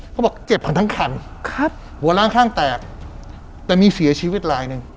เขาบอกเจ็บกันทั้งคันครับหัวล้างข้างแตกแต่มีเสียชีวิตลายหนึ่ง